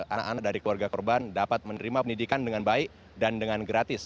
anak anak dari keluarga korban dapat menerima pendidikan dengan baik dan dengan gratis